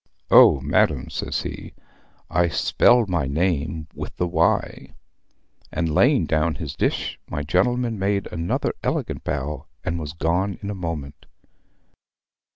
"'Oh, madam,' says he, 'I SPELL MY NAME WITH THE Y.' And laying down his dish, my gentleman made another elegant bow, and was gone in a moment.